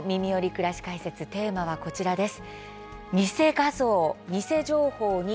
くらし解説」テーマは、こちらです。